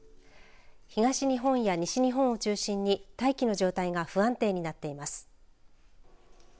東日本や西日本を中心に大気の状態が不安定になっています。